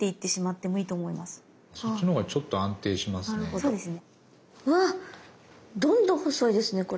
どんどん細いですねこれ。